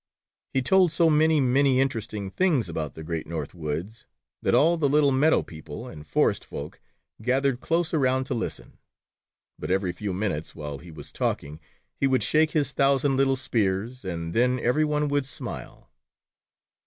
He told so many, many interesting things about the great North Woods, that all the little meadow people and forest folk gathered close around to listen, but every few minutes, while he was talking, he would shake his thousand little spears, and then every one would smile.